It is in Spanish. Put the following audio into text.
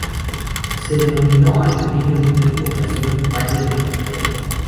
Se denominó al pequeño núcleo de población Valle de Manantial.